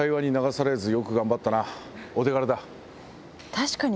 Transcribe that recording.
確かに。